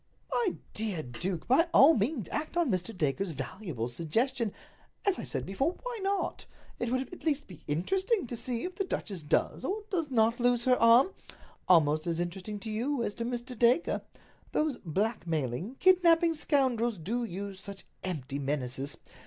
"My dear duke, by all means act on Mr. Dacre's valuable suggestion. As I said before, why not? It would at least be interesting to see if the duchess does or does not lose her arm—almost as interesting to you as to Mr. Dacre. Those blackmailing, kidnaping scoundrels do use such empty menaces.